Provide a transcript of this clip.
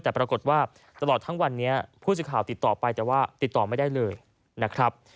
แต่ปรากฏว่าตลอดทั้งวันนี้ผู้สื่อข่าวติดต่อไปแต่ว่าติดต่อไม่ได้เลยนะครับ